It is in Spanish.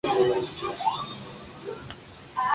Algunos infantes, niños y adultos mueren.